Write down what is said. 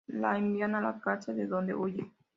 La envían a la cárcel, de donde huye.